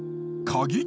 鍵？